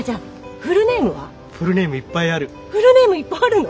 フルネームいっぱいあるの？